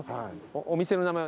お店の名前は？